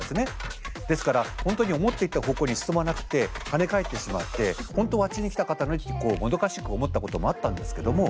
ですから本当に思っていた方向に進まなくて跳ね返ってしまって本当はあっちに行きたかったのにってこうもどかしく思ったこともあったんですけども。